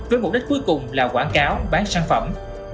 với mục đích cuối cùng là quảng cáo bán sản phẩm